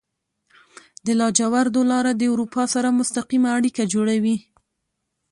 د لاجوردو لاره د اروپا سره مستقیمه اړیکه جوړوي.